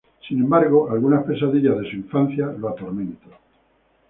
Sin embargo, algunas pesadillas de su infancia lo atormentan.